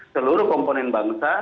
seluruh komponen bangsa